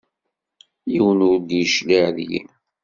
Yiwen ur d-yecliε deg-i.